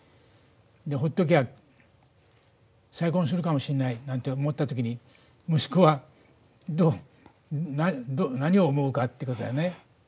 ほっときゃ再婚するかもしれないなんて思った時に息子は、どう何を思うかってことだよね。